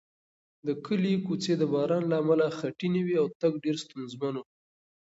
د کلي کوڅې د باران له امله خټینې وې او تګ ډېر ستونزمن و.